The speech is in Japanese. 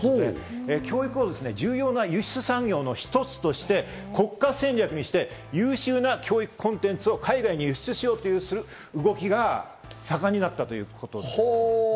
教育を重要な輸出産業の一つとして国家戦略にして、優秀な教育コンテンツを海外に輸出しようとする動きが盛んになったということです。